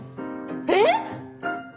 えっ！？